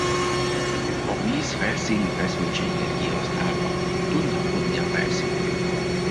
A víz felszíni feszültségét kihasználva tudnak futni a felszínén.